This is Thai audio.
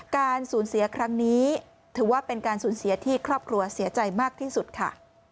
การสูญเสียครั้งนี้ถือว่าเป็นการสูญเสียที่ครอบครัวเสียใจมากที่สุดค่ะ